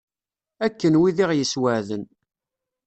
Akken wid i ɣ-yessweεden.